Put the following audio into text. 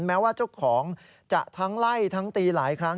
แม้ว่าเจ้าของจะทั้งไล่ทั้งตีหลายครั้ง